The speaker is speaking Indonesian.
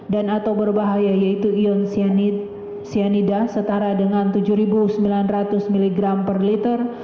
dan atau berbahaya yaitu ion cyanide setara dengan tujuh ribu sembilan ratus mg per liter